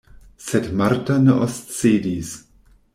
Sed Marta ne oscedis.